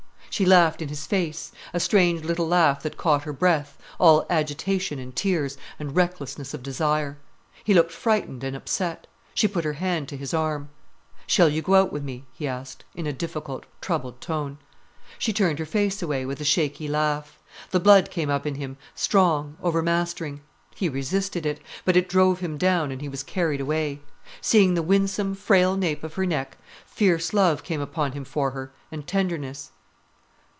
She laughed in his face, a strange little laugh that caught her breath, all agitation, and tears, and recklessness of desire. He looked frightened and upset. She put her hand to his arm. "Shall you go out wi' me?" he asked, in a difficult, troubled tone. She turned her face away, with a shaky laugh. The blood came up in him, strong, overmastering. He resisted it. But it drove him down, and he was carried away. Seeing the winsome, frail nape of her neck, fierce love came upon him for her, and tenderness.